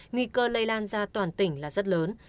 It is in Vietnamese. nguy cơ lây lan ra toàn tỉnh là rất lớn